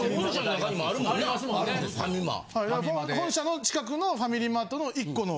本社の近くのファミリーマートの１個の